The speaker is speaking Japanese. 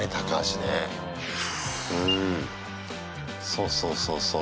そうそう、そうそう。